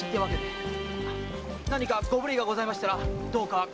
何かご無礼がございましたらどうかご勘弁を。